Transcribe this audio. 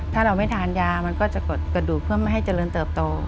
ถ้าเราไม่ทานยามันก็จะกดกระดูกเพื่อไม่ให้เจริญเติบโต